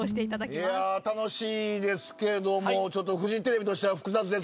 いや楽しいですけれどもちょっとフジテレビとしては複雑ですね。